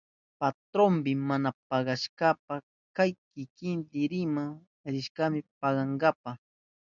Patroyni mana pagawashpan pay kikinta rimak rishkani pagawananpa.